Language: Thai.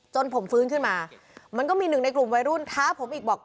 จนผมฟื้นขึ้นมามันก็มีหนึ่งในกลุ่มวัยรุ่นท้าผมอีกบอก